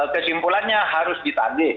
kesimpulannya harus ditage